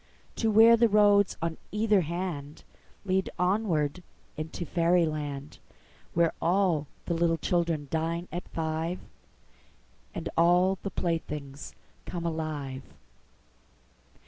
To where the roads on either handLead onward into fairy land, Where all the children dine at five, And all the playthings come alive.